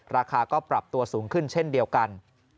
ราคาก็ปรับตัวสูงขึ้นเช่นเดียวกัน